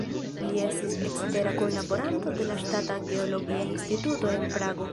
Li estis ekstera kunlaboranto de la Ŝtata Geologia Instituto en Prago.